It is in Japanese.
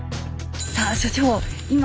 さあ所長